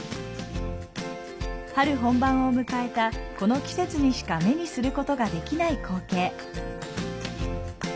春本番を迎えたこの季節にしか目にすることができない光景。